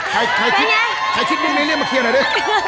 ใครคิดดูนี้เรียกมาเคลียรหน่อยด้วย